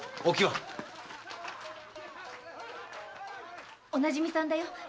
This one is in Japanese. お馴染みさんだよ。